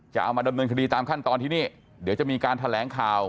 จะเอามาดำเนินคดีตามขั้นตอนที่นี่เดี๋ยวจะมีการแถลงข่าว